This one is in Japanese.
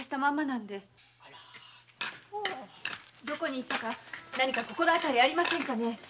どこに行ったか心当たりはありませんか。